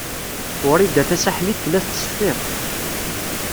Wrida Tasaḥlit tella tettseffiq.